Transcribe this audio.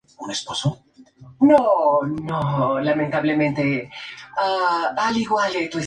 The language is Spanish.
Así como la explosión de mamíferos a comienzo del Terciario.